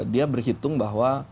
dia berhitung bahwa